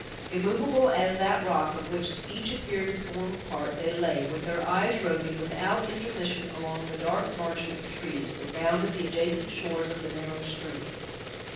Immovable as that rock, of which each appeared to form a part, they lay, with their eyes roving, without intermission, along the dark margin of trees, that bounded the adjacent shores of the narrow stream.